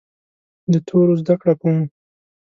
د تورو زده کړه کوم.